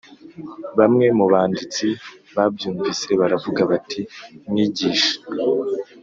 Bamwe mu banditsi babyumvise baravuga bati mwigisha